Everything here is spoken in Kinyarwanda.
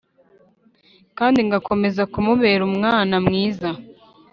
kandi ngakomeza kumubera umwana mwiza."